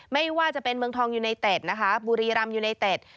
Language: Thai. ไม่ว่าจะเป็นเมืองทองยูเนเธอร์บุรีรำยูเนเธอร์